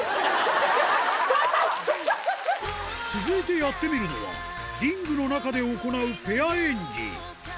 続いてやってみるのはリングの中で行うペア演技